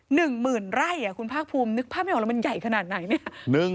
หนึ่งหมื่นไร่อ่ะคุณภาคภูมินึกภาพไม่ออกแล้วมันใหญ่ขนาดไหนเนี่ย